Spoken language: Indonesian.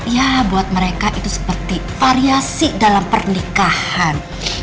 ya buat mereka itu seperti variasi dalam pernikahan